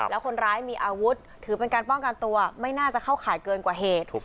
แล้วคนร้ายมีอาวุธถือเป็นการป้องกันตัวไม่น่าจะเข้าข่ายเกินกว่าเหตุ